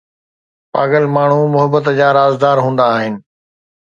پاگل ماڻهو محبت جا رازدار هوندا آهن